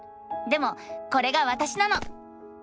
でもこれがわたしなの！